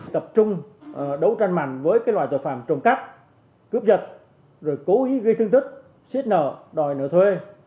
tập trung đấu tranh mạnh với loại tội phạm trồng cắt cướp dật rồi cố ý gây thương thức xiết nợ đòi nợ thuê